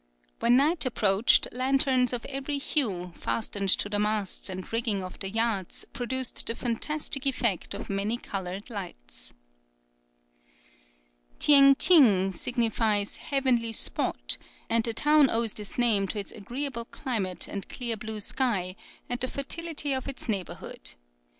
When night approached, lanterns of every hue, fastened to the masts and rigging of the yachts, produced the fantastic effect of many coloured lights. [Illustration: Chinese magic lantern. (Fac simile of early engraving.)] Tieng Tsing signifies "heavenly spot," and the town owes this name to its agreeable climate and clear blue sky, and the fertility of its neighbourhood.